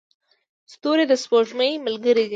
ستوري د سپوږمۍ ملګري دي.